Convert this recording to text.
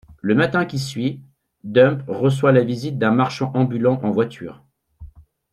Le matin qui suit, Dump reçoit la visite d'un marchand ambulant en voiture.